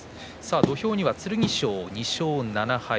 土俵には剣翔、２勝７敗。